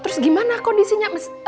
terus gimana kondisinya